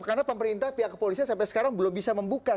karena pemerintah pihak kepolisian sampai sekarang belum bisa membuka